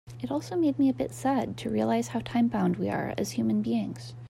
It also made me a bit sad to realize how time-bound we are as human beings.